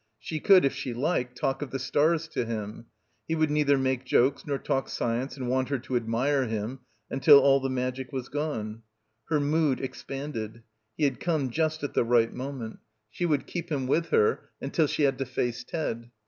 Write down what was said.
She could, if she liked, talk of the stars to him. He would neither make jokes nor talk science and want her to admire him, until all the magic was gone. Her mood expanded. He had come just at the right moment. She would keep him with her until she had to face Ted.